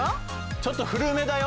ちょっと古めだよ